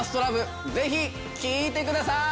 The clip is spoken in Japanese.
ぜひ聴いてください！」